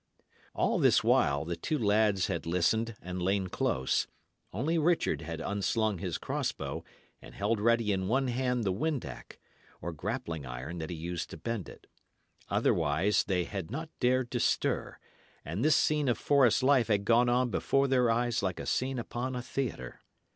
All this while the two lads had listened and lain close; only Richard had unslung his cross bow, and held ready in one hand the windac, or grappling iron that he used to bend it. Otherwise they had not dared to stir; and this scene of forest life had gone on before their eyes like a scene upon a theatre.